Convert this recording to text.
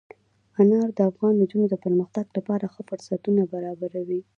انار د افغان نجونو د پرمختګ لپاره ښه فرصتونه برابروي.